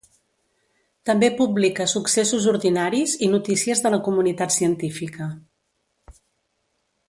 També publica successos ordinaris i notícies de la comunitat científica.